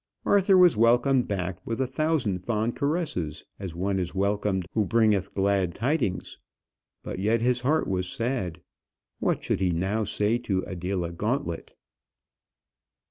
Arthur was welcomed back with a thousand fond caresses, as one is welcomed who bringeth glad tidings. But yet his heart was sad. What should he now say to Adela Gauntlet?